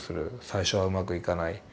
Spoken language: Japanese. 最初はうまくいかない。